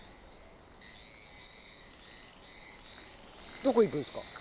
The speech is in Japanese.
どこ行くんですか？